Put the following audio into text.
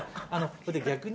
それで逆に。